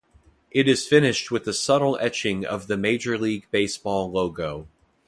It is finished with a subtle etching of the Major League Baseball logo.